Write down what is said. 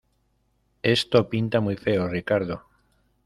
esto pinta muy feo, Ricardo.